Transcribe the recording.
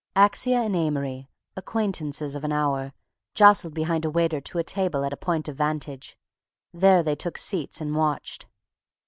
Axia and Amory, acquaintances of an hour, jostled behind a waiter to a table at a point of vantage; there they took seats and watched.